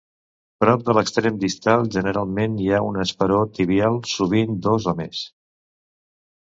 Prop de l'extrem distal generalment hi ha un esperó tibial, sovint dos o més.